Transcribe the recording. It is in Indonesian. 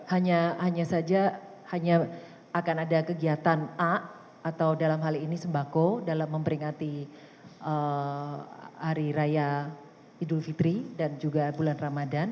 hanya saja hanya akan ada kegiatan a atau dalam hal ini sembako dalam memperingati hari raya idul fitri dan juga bulan ramadan